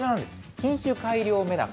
品種改良メダカ。